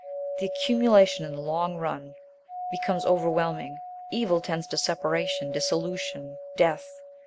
The accumulation in the long run becomes overwhelming. Evil tends to separation, dissolution, death.